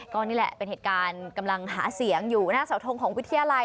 ก็นี่แหละเป็นเหตุการณ์กำลังหาเสียงอยู่หน้าเสาทงของวิทยาลัย